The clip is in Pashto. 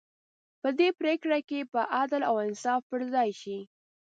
په دې پرېکړې کې به عدل او انصاف پر ځای شي.